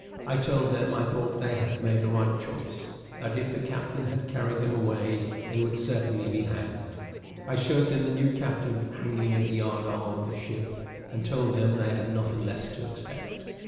I told them I thought they had made a right choice; that if the captain had carried them away they would certainly be hanged. I showed them the new captain hanging at the yard arm of the ship, and told them they had nothing less to expect.